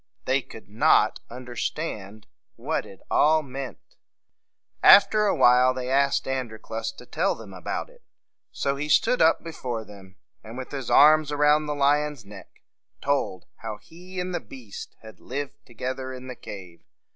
They could not un der stand what it all meant. [Illustration: Androclus and the Lion.] After a while they asked Androclus to tell them about it. So he stood up before them, and, with his arm around the lion's neck, told how he and the beast had lived together in the cave.